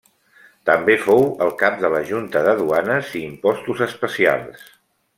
També fou el cap de la junta de duanes i impostos especials.